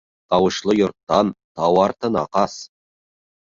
Тауышлы йорттан тау артына ҡас.